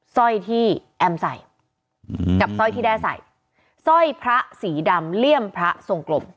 สร้อยที่แอมใส่กับสร้อยที่แด้ใส่สร้อยพระสีดำเลี่ยมพระทรงกลม